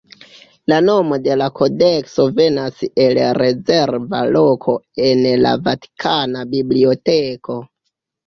La nomo de la kodekso venas el rezerva loko en la Vatikana biblioteko.